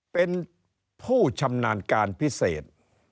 เป็นผู้ชำนาญการพิเศษ